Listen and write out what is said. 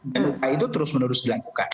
dan upaya itu terus menerus dilakukan